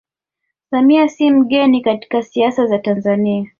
Samia si mgeni katika siasa za Tanzania